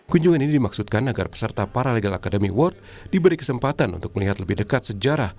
kunjungan ini dimaksudkan agar peserta paralegal academy award diberi kesempatan untuk melihat lebih dekat sejarah